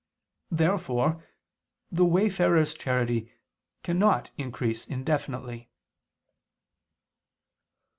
Therefore the wayfarer's charity cannot increase indefinitely.